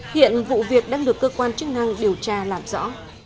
hiện vụ việc đang được cơ quan chức năng điều tra làm rõ